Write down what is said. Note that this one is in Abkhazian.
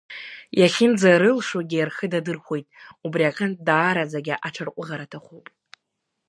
Иахьынӡарылшогьы рхы дадырхәоит, убриаҟынтә даараӡагьы аҽырҟәыӷара аҭахуп…